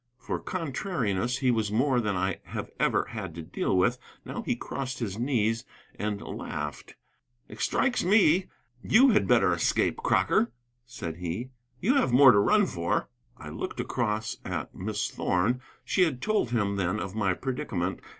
For contrariness he was more than I have ever had to deal with. Now he crossed his knees and laughed. "It strikes me you had better escape, Crocker," said he. "You have more to run for." I looked across at Miss Thorn. She had told him, then, of my predicament.